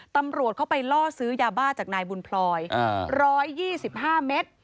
ตำรวจเข้าไปล่อซื้อยาบ้าจากนายบุญพลอย๑๒๕เมตร